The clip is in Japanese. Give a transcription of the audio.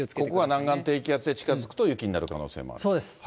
ここは南岸低気圧が近づくと雪になる可能性もある。